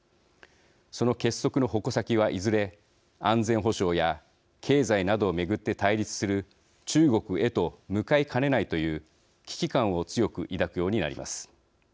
その結束の矛先はいずれ安全保障や経済などを巡って対立する中国へと向かいかねないという危機感を強く抱くようになります。